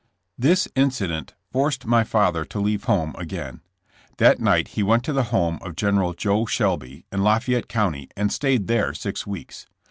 This incident forced my father to leave home again. That night he went to the home of General Jo Shelby, in Lafayette County, and stayed there six weeks.